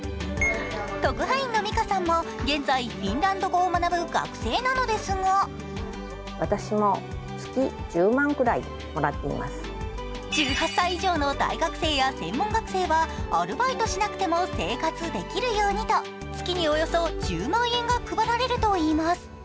特派員のＭＩＫＡさんも現在、フィンランド語を学ぶ学生なのですが１８歳以上の大学生や専門学生はアルバイトしなくても生活できるようにと月におよそ１０万円が配られるといいます。